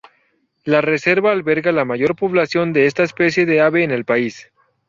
La Reserva alberga la mayor población de esta especie de ave en el país.